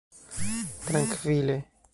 trankvile